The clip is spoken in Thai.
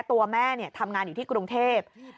ตัวแม่ทำงานอยู่ที่กรุงเทพ